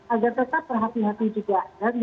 agar tetap berhati hati juga